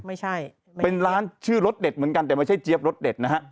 ไม่ใช่เป็นร้านชื่อรสเด็ดเหมือนกันแต่ไม่ใช่เจี๊ยบรสเด็ดนะฮะ